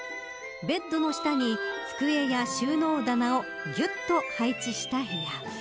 ベッドの下に机や収納棚をぎゅっと配置した部屋。